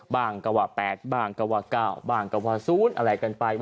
บ้างก็ว่า๘บ้างก็ว่า๙บ้างก็ว่า๐อะไรกันไป